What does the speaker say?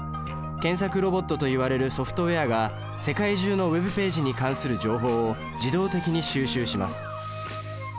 検索ロボットといわれるソフトウェアが世界中のＷｅｂページに関する情報を自動的に収集します。